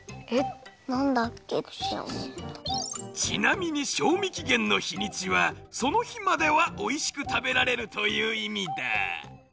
ちなみに賞味期限のひにちはその日まではおいしく食べられるといういみだ。